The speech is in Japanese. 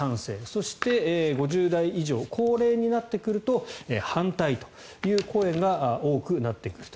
そして、５０代以上高齢になってくると反対という声が多くなってくると。